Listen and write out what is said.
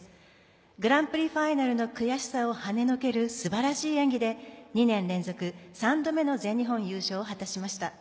グランプリファイナルの悔しさをはねのける素晴らしい演技で２年連続３度目の全日本優勝を果たしました。